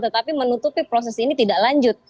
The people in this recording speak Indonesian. tetapi menutupi proses ini tidak lanjut